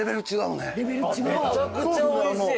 めちゃくちゃおいしい。